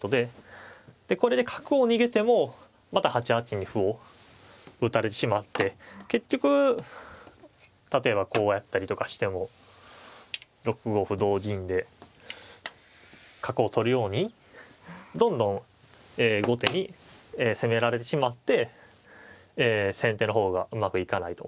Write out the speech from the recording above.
でこれで角を逃げてもまた８八に歩を打たれてしまって結局例えばこうやったりとかしても６五歩同銀で角を取るようにどんどん後手に攻められてしまって先手の方がうまくいかないと。